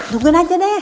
dungguin aja deh